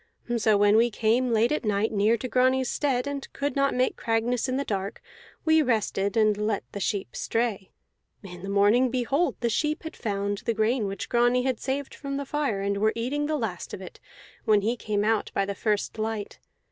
So when we came late at night near to Grani's stead, and could not make Cragness in the dark, we rested and let the sheep stray. In the morning, behold, the sheep had found the grain which Grani had saved from the fire, and were eating the last of it when he came out by the first light.